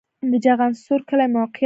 د چخانسور کلی موقعیت